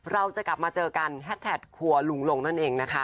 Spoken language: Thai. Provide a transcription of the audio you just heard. เราจะกลับมาเจอกันแฮดแท็กครัวลุงลงนั่นเองนะคะ